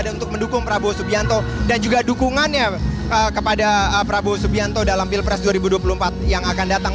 untuk mendukung prabowo subianto dan juga dukungannya kepada prabowo subianto dalam pilpres dua ribu dua puluh empat yang akan datang